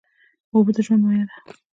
اوبه د ژوند مایه ده.